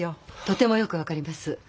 とてもよく分かります。